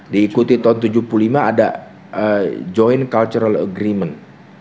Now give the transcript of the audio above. diikuti tahun seribu sembilan ratus tujuh puluh lima ada joint cultural agreement